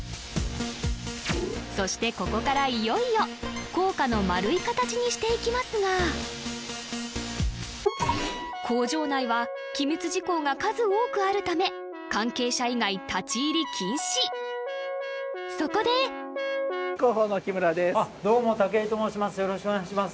そしてここからいよいよ硬貨の丸い形にしていきますが工場内は機密事項が数多くあるため関係者以外立ち入り禁止そこであっどうも武井と申します